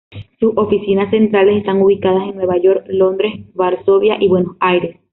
Sus oficinas centrales están ubicadas en Nueva York, Londres, Varsovia y Buenos Aires.